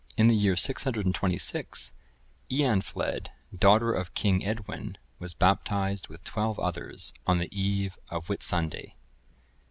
] In the year 626, Eanfled, daughter of King Edwin, was baptized with twelve others, on the eve of Whitsunday.